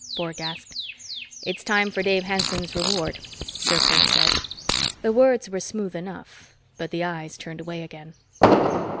Bork asked. "It's time for Dave Hanson's reward," Ser Perth said. The words were smooth enough, but the eyes turned away again.